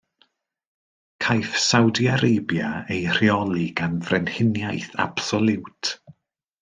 Caiff Saudi Arabia ei rheoli gan frenhiniaeth absoliwt.